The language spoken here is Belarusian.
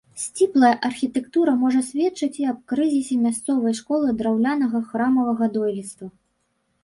Сціплая архітэктура можа сведчыць і аб крызісе мясцовай школы драўлянага храмавага дойлідства.